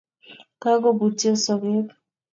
Kagobutyo sogeek